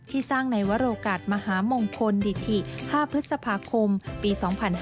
สร้างในวรโอกาสมหามงคลดิถิ๕พฤษภาคมปี๒๕๕๙